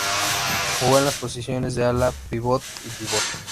Jugó en las posiciones de ala-pívot y pívot.